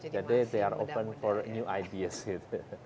jadi mereka terbuka untuk ide baru